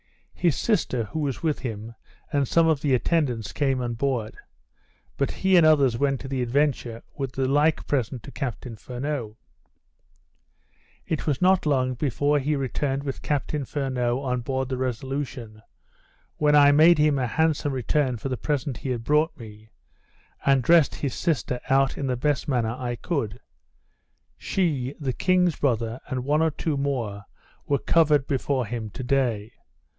His sister, who was with him, and some of his attendants, came on board; but he and others went to the Adventure with the like present to Captain Furneaux. It was not long before he returned with Captain Furneaux on board the Resolution, when I made him a handsome return for the present he had brought me, and dressed his sister out in the best manner I could. She, the king's brother, and one or two more, were covered before him to day.